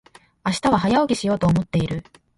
明日は早起きしようと思っている。